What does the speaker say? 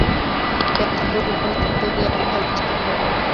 ব্যথা দুর্বলদের তৈরি আচ্ছাদন ছাড়া আর কী?